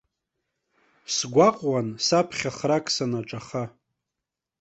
Сгәаҟуан саԥхьа храк санаҿаха.